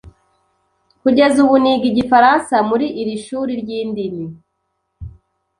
Kugeza ubu, niga igifaransa muri iri shuri ryindimi.